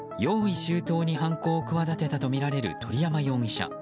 周到に犯行を企てたとみられる鳥山容疑者。